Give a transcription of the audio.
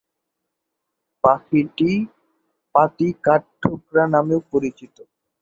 পাখিটি পাতি কাঠঠোকরা নামেও পরিচিত।